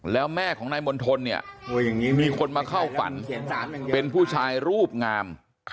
แล้วแม่ของนายมณฑลเนี่ยมีคนมาเข้าฝันเป็นผู้ชายรูปงาม